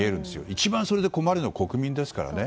一番それで困るのは国民ですからね。